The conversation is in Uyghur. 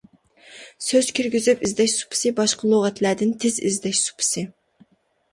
سۆز كىرگۈزۈپ ئىزدەش سۇپىسى باشقا لۇغەتلەردىن تېز ئىزدەش سۇپىسى.